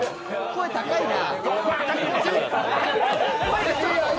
声高いな。